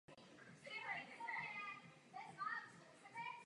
Ty se mohou po určité době vytěžit a dále zpracovávat.